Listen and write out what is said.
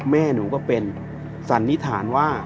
แม่หนูก็เป็นสันนิษฐานว่า